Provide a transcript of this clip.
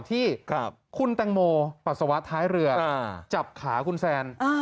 ที่คุณแตงโมปัสสาวะท้ายเรือจับขาคุณแซน